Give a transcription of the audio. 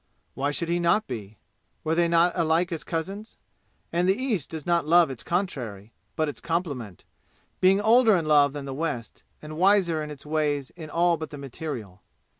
Why should he not be? Were they not alike as cousins? And the East does not love its contrary, but its complement, being older in love than the West, and wiser in its ways in all but the material.